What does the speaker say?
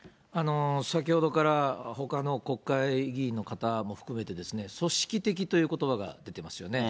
先ほどからほかの国会議員の方も含めてですね、組織的ということばが出てますよね。